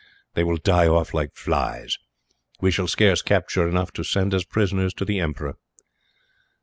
They will die off like flies. We shall scarce capture enough to send as prisoners to the emperor."